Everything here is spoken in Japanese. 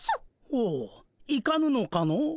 ほういかぬのかの？